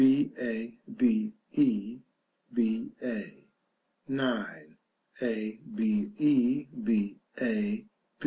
b. a. b. e. b. a. 9. a. b. e. b. a.